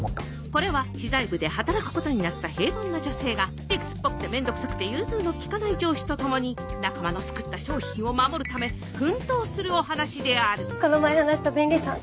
これは知財部で働くことになった平凡な女性が理屈っぽくて面倒くさくて融通の利かない上司と共に仲間の作った商品を守るため奮闘するお話であるこの前話した弁理士さん